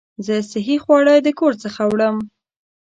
زه صحي خواړه د کور څخه وړم.